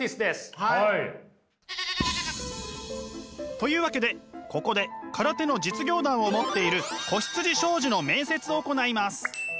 というわけでここで空手の実業団を持っている子羊商事の面接を行います！